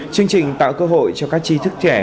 chương trình tạo cơ hội cho các chi thức trẻ